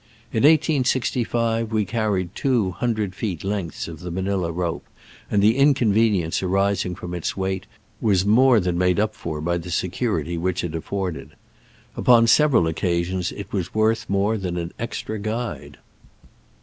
In 1865 we carried two loo feet lengths of the Manila rope, and the inconvenience arising from its weight was more than made up for by the security which it afforded. Upon several occasions it was worth more than an extra guide.